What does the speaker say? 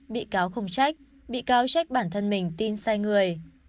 bị cáo không trách bị cáo trách bản thân mình tin sai người